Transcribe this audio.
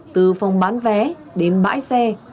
từ phòng bán vé đến bãi xe